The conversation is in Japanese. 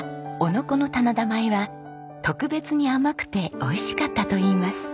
子の棚田米は特別に甘くておいしかったといいます。